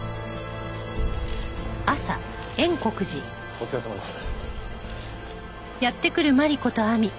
お疲れさまです。